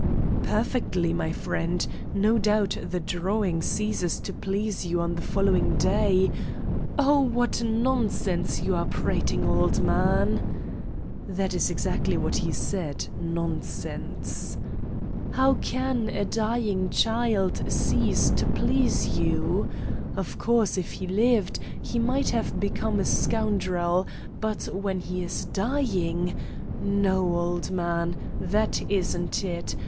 "Perfectly, my friend. No doubt the drawing ceases to please you on the following day " "Oh, what nonsense you are prating, old man! (That is exactly what he said. 'Nonsense.') How can a dying child cease to please you? Of course, if he lived, he might have become a scoundrel, but when he is dying No, old man, that isn't it.